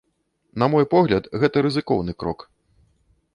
На мой погляд, гэта рызыкоўны крок.